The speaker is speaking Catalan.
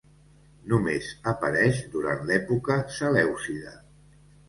Només apareix durant l'època selèucida.